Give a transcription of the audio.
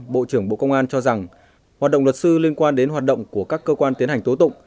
bộ trưởng bộ công an cho rằng hoạt động luật sư liên quan đến hoạt động của các cơ quan tiến hành tố tụng